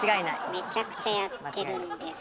めちゃくちゃやってるんです。